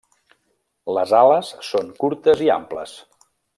Les ales són curtes i amples.